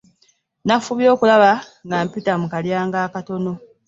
Nafubye okulaba nga mpita mu kalyango akatono.